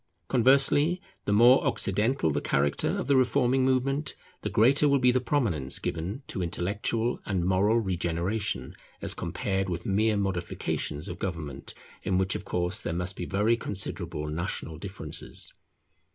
Conversely, the more occidental the character of the reforming movement, the greater will be the prominence given to intellectual and moral regeneration as compared with mere modifications of government, in which of course there must be very considerable national differences.